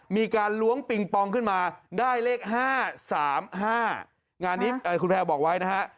มีการล้วงปิงปองขึ้นมาได้เลขห้าสามห้างานนี้เอ่อคุณแพร่บอกไว้นะฮะ